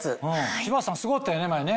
柴田さんすごかったよね前ね。